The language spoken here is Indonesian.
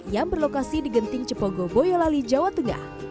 yang berlokasi di genting cepogo boyolali jawa tengah